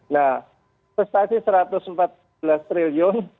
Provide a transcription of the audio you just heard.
nah prestasi rp satu ratus empat belas triliun